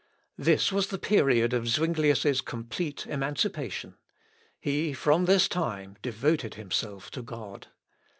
This was the period of Zuinglius' complete emancipation. He from this time devoted himself to God.